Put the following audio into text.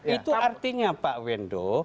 itu artinya pak wendo